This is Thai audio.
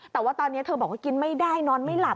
แต่ว่าตอนนี้เธอบอกว่ากินไม่ได้นอนไม่หลับ